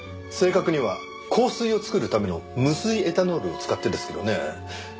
正確には香水を作るための無水エタノールを使ってですけどね。